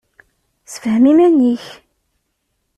Sefhem iman-ik.